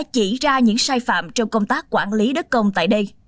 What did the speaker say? chỉ ra những sai phạm trong công tác quản lý đất công tại đây